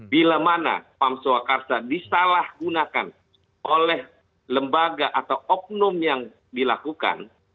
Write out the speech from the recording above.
bila mana pam swakarsa disalahgunakan oleh lembaga atau oknum yang dilakukan